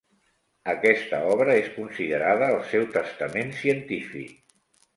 Aquesta obra és considerada el seu testament científic.